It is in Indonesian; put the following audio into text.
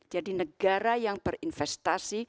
jadi negara yang berinvestasi